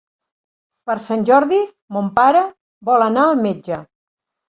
Per Sant Jordi mon pare vol anar al metge.